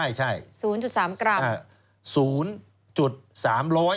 อ่าใช่๐๓กรัม